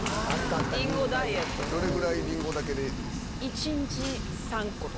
どれぐらいリンゴだけで？